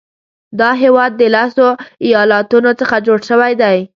دا هیواد د لسو ایالاتونو څخه جوړ شوی دی.